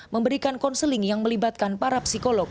memberikan konseling yang melibatkan para psikolog